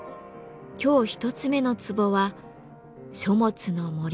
今日１つ目の壺は「書物の森に誘われ」。